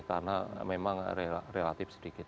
karena memang relatif sedikit